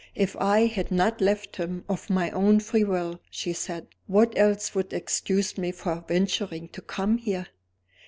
"If I had not left him of my own free will," she said, "what else would excuse me for venturing to come here?"